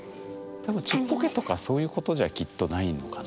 多分ちっぽけとかそういうことじゃきっとないのかな。